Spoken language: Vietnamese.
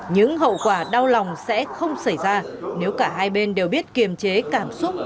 những hậu quả đau lòng sẽ không xảy ra nếu cả hai bên đều biết kiềm chế cảm xúc